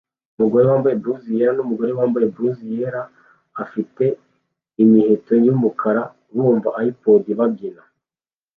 Umugore wambaye blouse yera numugore wambaye blouse yera afite imiheto yumukara bumva iPod babyina